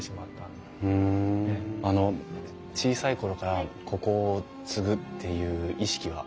小さい頃からここを継ぐっていう意識は？